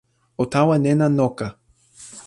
o tawa nena noka!